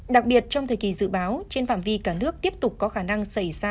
đặc biệt trong thời kỳ dự báo trên phạm vi cả nước tiếp tục có khả năng xảy ra